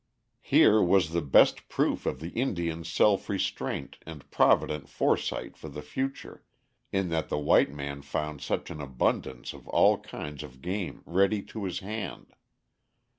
Here was the best proof of the Indian's self restraint and provident foresight for the future, in that the white man found such an abundance of all kinds of game ready to his hand.